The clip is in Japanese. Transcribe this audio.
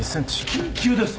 緊急です。